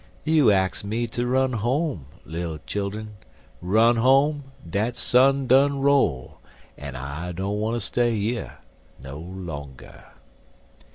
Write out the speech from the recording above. You ax me ter run home, Little childun Run home, dat sun done roll An' I don't wanter stay yer no longer.